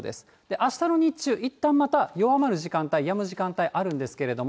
あしたの日中、いったんまた弱まる時間帯、やむ時間帯あるんですけれども、